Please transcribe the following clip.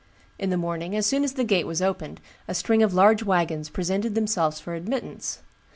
In the morning, as soon as the gate was opened, a string of large wagons presented themselves for admittance.